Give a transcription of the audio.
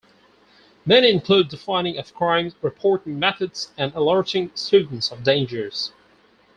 Many include defining of crimes, reporting methods and alerting students of dangers.